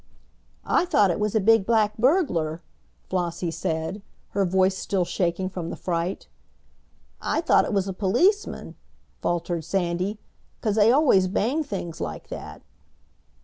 "I thought it was a big black burglar," Flossie said, her voice still shaking from the fright. "I thought it was a policeman," faltered Sandy. "'Cause they always bang things like that."